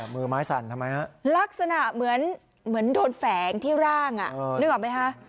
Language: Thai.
มือไม้สั่นทำไมฮะลักษณะเหมือนโดนแฝงที่ร่างนึกออกไหมคะ